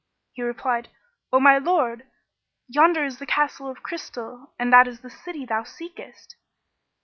He replied, "O my lord! yonder is the Castle of Crystal and that is the city thou seekest."